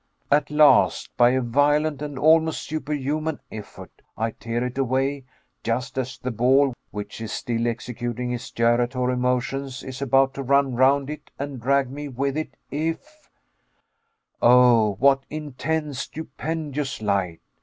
At last, by a violent and almost superhuman effort, I tear it away just as the ball which is still executing its gyratory motions is about to run round it and drag me with it if Oh, what intense stupendous light!